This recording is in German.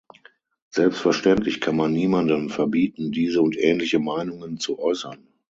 Selbstverständlich kann man niemandem verbieten, diese und ähnliche Meinungen zu äußern.